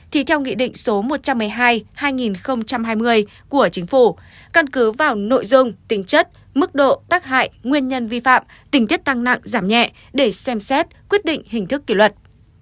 thì theo nghị định số một trăm một mươi hai hai nghìn hai mươi của chính phủ căn cứ vào nội dung tính chất mức độ tác hại nguyên nhân vi phạm tình tiết tăng nặng giảm nhẹ để xem xét quyết định hình thức kỷ luật